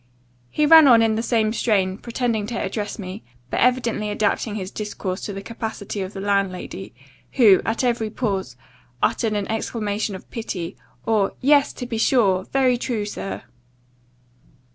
He ran on in the same strain, pretending to address me, but evidently adapting his discourse to the capacity of the landlady; who, at every pause, uttered an exclamation of pity; or 'Yes, to be sure Very true, sir.